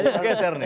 temanya geser nih